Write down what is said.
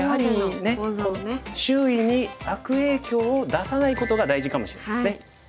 周囲に悪影響を出さないことが大事かもしれないですね。